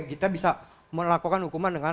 kita bisa melakukan hukuman dengan